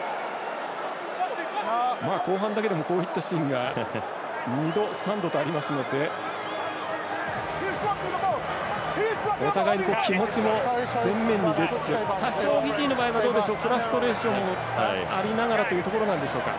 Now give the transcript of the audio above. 後半だけでもこういったシーンが２度、３度とありますのでお互いに気持ちも前面に出つつ多少、フィジーの場合はフラストレーションもありながらというところなんでしょうか。